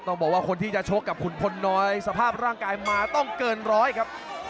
บอกว่าคนที่จะชกกับคุณพลน้อยสภาพร่างกายมาต้องเกินร้อยครับ